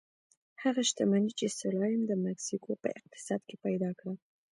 هغه شتمني چې سلایم د مکسیکو په اقتصاد کې پیدا کړه.